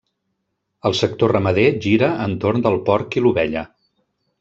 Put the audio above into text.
El sector ramader gira entorn del porc i l'ovella.